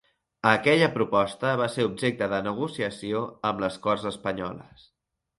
Aquella proposta va ser objecte de negociació amb les Corts espanyoles.